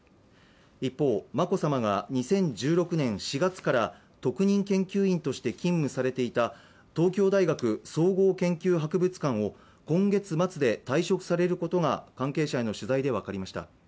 一方、眞子さまが２０１６年４月から特任研究員として勤務されていた東京大学総合研究博物館を今月末で退職されることが関係者への取材で分かりました。